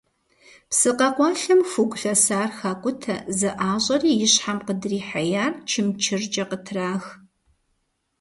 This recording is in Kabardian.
Псы къэкъуалъэм хугу лъэсар хакӏутэ, зэӏащӏэри и щхьэм къыдрихьеяр чымчыркӏэ къытрах.